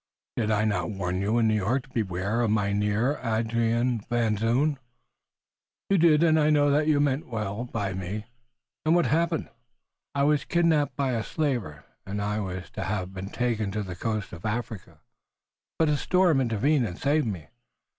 Did I not warn you in New York to beware of Mynheer Adrian Van Zoon?" "You did, and I know that you meant me well." "And what happened?" "I was kidnapped by a slaver, and I was to have been taken to the coast of Africa, but a storm intervened and saved me.